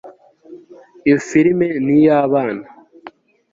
iyo firime ni iy'abana